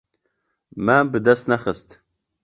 Me bi dest nexist.